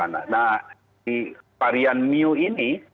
nah varian mu ini